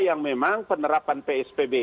yang memang penerapan psbb